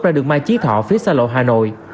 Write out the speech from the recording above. ra đường mai trí thọ phía xa lội hà nội